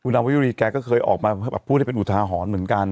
คุณดาวเมยูรีก็เคยออกมาเป็นอุทาหรือแบบอ้อน